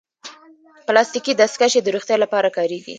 پلاستيکي دستکشې د روغتیا لپاره کارېږي.